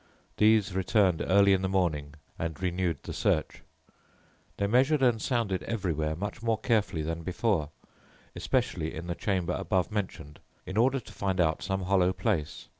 These returned early in the morning and renewed the search. "They measured and sounded everywhere much more carefully than before, especially in the chamber above mentioned, in order to find out some hollow place.